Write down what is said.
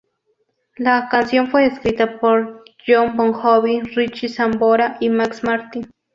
La canción fue escrita por Jon Bon Jovi, Richie Sambora y Max Martin.